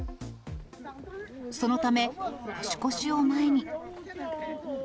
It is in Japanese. そのため、年越しを前に。